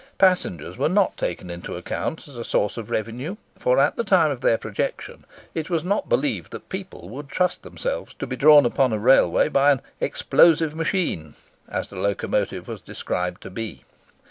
Passengers were not taken into account as a source of revenue, for at the time of their projection, it was not believed that people would trust themselves to be drawn upon a railway by an "explosive machine," as the locomotive was described to be.